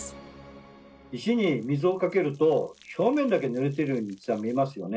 石に水をかけると表面だけぬれてるように見えますよね。